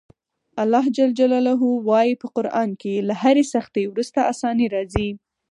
الله ج وایي په قران کې له هرې سختي وروسته اساني راځي.